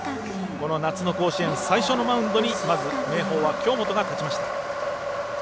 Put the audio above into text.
夏の甲子園、最初のマウンドにまず明豊は京本が立ちました。